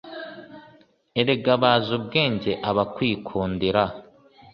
erega bazi ubwenge abakwikundira